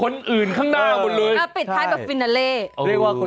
สกิดยิ้ม